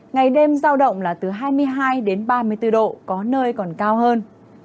ngày đêm giao động là từ hai mươi hai đến ba mươi bốn độ có nơi còn cao hơn